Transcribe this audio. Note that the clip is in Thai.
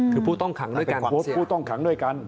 คือผู้ต้องขังด้วยกัน